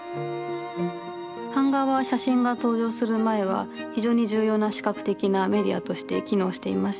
版画は写真が登場する前は非常に重要な視覚的なメディアとして機能していました。